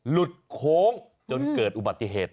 หลุดโค้งจนเกิดอุบัติเหตุ